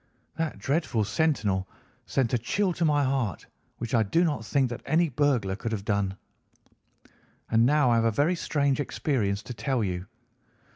That dreadful sentinel sent a chill to my heart which I do not think that any burglar could have done. "And now I have a very strange experience to tell you.